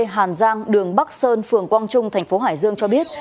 hàn giang đường bắc sơn phường quang trung thành phố hải dương cho biết